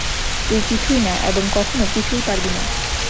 তুই কিছুই না এবং কখনো কিছুই পারবি না।